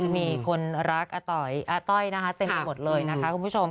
มีคนรักอาต้อยอาต้อยนะคะเต็มไปหมดเลยนะคะคุณผู้ชม